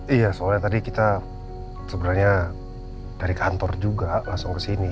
iya soalnya tadi kita sebenarnya dari kantor juga langsung ke sini